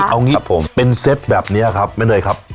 เอางี้เป็นเซตแบบนี้นะครับแม้เดียวเลยครับ